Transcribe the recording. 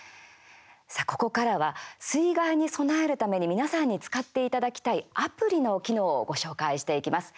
さあ、ここからは水害に備えるために皆さんに使っていただきたいアプリの機能をご紹介していきます。